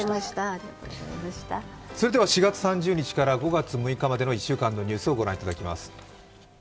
それでは４月３０日から５月６日までの１週間のニュースをご覧いただきます。